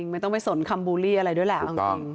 ไม่ต้องไปสนคัมบูรีอะไรด้วยแล้ว